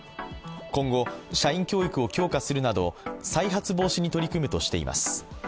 今後、社員教育を強化するなど再発防止に取り組むとしています。